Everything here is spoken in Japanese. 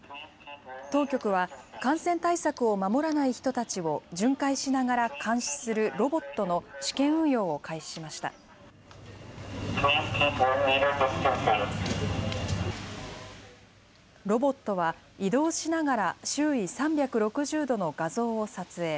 当局は、感染対策を守らない人たちを巡回しながら監視するロボットの試験ロボットは、移動しながら、周囲３６０度の画像を撮影。